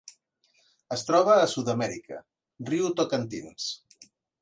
Es troba a Sud-amèrica: riu Tocantins.